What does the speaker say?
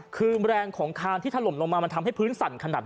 คือแรงของคานที่ถล่มลงมามันทำให้พื้นสั่นขนาด